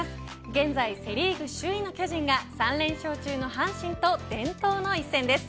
現在セ・リーグ首位の巨人が３連勝中の阪神と伝統の一戦です。